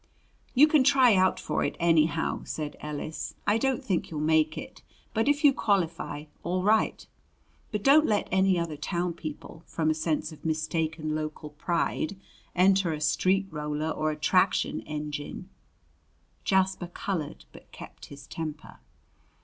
"You can try out for it anyhow," said Ellis. "I don't think you'll make it; but, if you qualify, all right. But don't let any other town people, from a sense of mistaken local pride, enter a street roller or a traction engine." Jasper colored, but kept his temper.